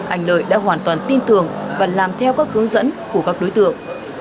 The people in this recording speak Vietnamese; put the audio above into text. anh lợi đã hoàn toàn tin tưởng và làm theo các hướng dẫn của các đối tượng